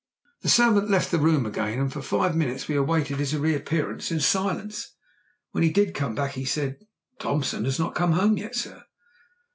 The servant left the room again, and for five minutes we awaited his reappearance in silence. When he did come back he said, "Thompson has not come home yet, sir."